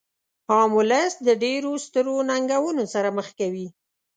عام ولس د ډیرو سترو ننګونو سره مخ کوي.